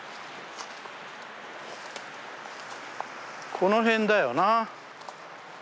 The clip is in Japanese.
この辺だよな。